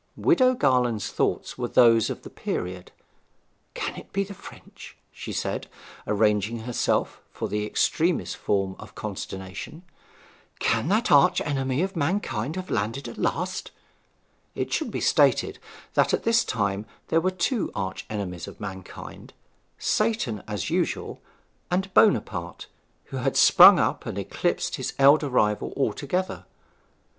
Widow Garland's thoughts were those of the period. 'Can it be the French,' she said, arranging herself for the extremest form of consternation. 'Can that arch enemy of mankind have landed at last?' It should be stated that at this time there were two arch enemies of mankind Satan as usual, and Buonaparte, who had sprung up and eclipsed his elder rival altogether.